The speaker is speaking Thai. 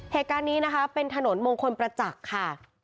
เหตุการณ์นี้นะคะเป็นถนนมงคลประจักษ์ค่ะ